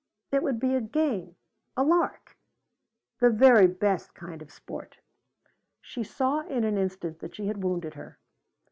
It would be a game a lark the very best kind of sport!" She saw in an instant that she had wounded her.